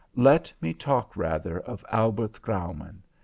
Let me talk rather of Albert Graumann.